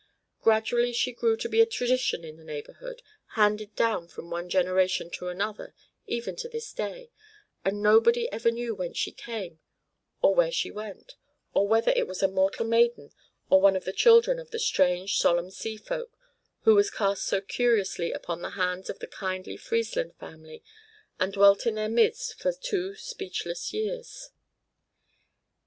Gradually she grew to be a tradition of the neighborhood, handed down from one generation to another even to this day, and nobody ever knew whence she came or where she went, or whether it was a mortal maiden or one of the children of the strange, solemn sea folk who was cast so curiously upon the hands of the kindly Friesland family and dwelt in their midst for two speechless years.